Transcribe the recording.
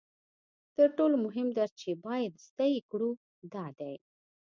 تر ټولو مهم درس چې باید زده یې کړو دا دی